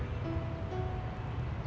yang dia yang ngelakuin